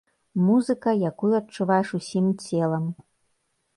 Музыка, якую адчуваеш усім целам.